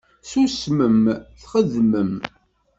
Ssusmem, txedmem.